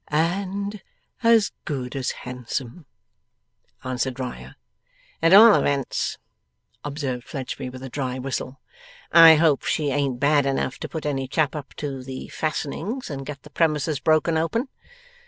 'And as good as handsome,' answered Riah. 'At all events,' observed Fledgeby, with a dry whistle, 'I hope she ain't bad enough to put any chap up to the fastenings, and get the premises broken open.